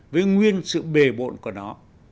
với nguyên sự bề bộn của nó